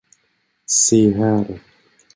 Se här!